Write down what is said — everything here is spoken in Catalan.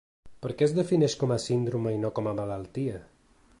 Per què es defineix com a síndrome i no com a malaltia?